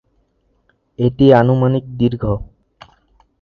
এটি আনুমানিক দীর্ঘ।